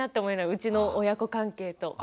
うちの親子関係と。